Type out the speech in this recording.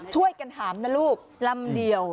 ช่วยกันหามนะลูกลำเดียว